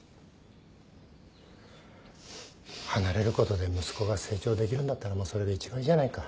離れることで息子が成長できるんだったらそれが一番いいじゃないか。